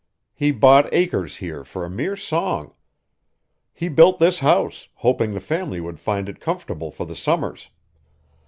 He bought acres here for a mere song. He built this house, hoping the family would find it comfortable for the summers.